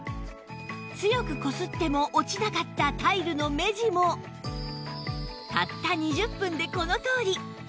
強くこすっても落ちなかったタイルの目地もたった２０分でこのとおり